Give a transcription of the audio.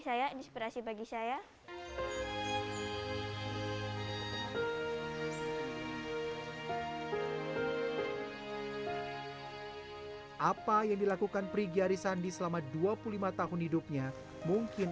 saya inspirasi bagi saya apa yang dilakukan prigyari sandi selama dua puluh lima tahun hidupnya mungkin